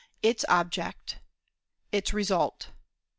Its Object. Its Result.